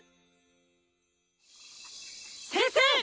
先生！